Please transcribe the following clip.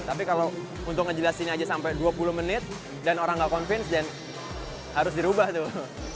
tapi kalau untuk ngejelasin aja sampai dua puluh menit dan orang gak convincent harus dirubah tuh